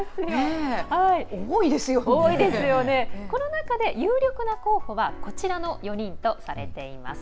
この中で有力な候補はこちらの４人とされています。